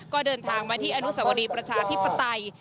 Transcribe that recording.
ก็เดินทางมาที่อนุสวรีประชาธิปไตย